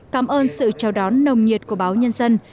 cảm ơn sự chào đón nồng nhiệt của báo nhân dân